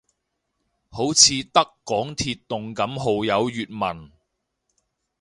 好似得港鐵動感號有粵文